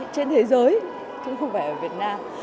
trên thế giới chứ không phải ở việt nam